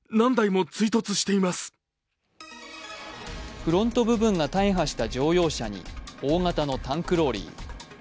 フロント部分が大破した乗用車に大型のタンクローリー。